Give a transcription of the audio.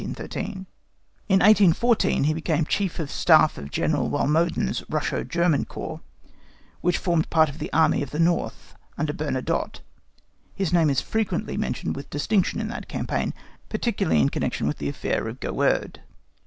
In 1814, he became Chief of the Staff of General Walmoden's Russo German Corps, which formed part of the Army of the North under Bernadotte. His name is frequently mentioned with distinction in that campaign, particularly in connection with the affair of Goehrde.